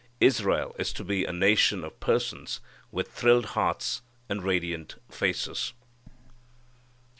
Israel is to be a nation of persons with thrilled hearts and radiant faces.